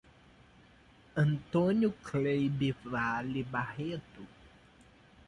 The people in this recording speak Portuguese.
Antônio Cleibe Vale Barreto